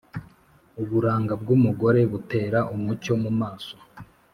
Uburanga bw’umugore butera umucyo mu maso,